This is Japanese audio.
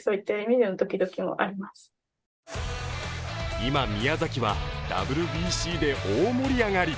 今、宮崎はＷＢＣで大盛り上がり。